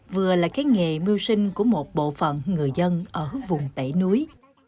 vừa là cái nghề mưu sinh của một bộ phận người dân ở vùng tẩy núi